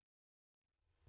bagaimana kita bisa membuatnya